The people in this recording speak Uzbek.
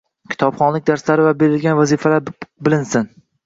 Kitobxonlik darslari va beriladigan vazifalar bilinsin.